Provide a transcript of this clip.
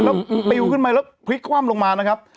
แล้วปิวขึ้นมาแล้วพลิกคว่ำลงมานะครับ